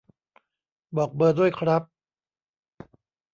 บอกเบอร์ด้วยครับ